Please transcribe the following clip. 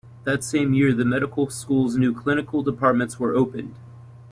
That same year, the Medical School's new clinical departments were opened.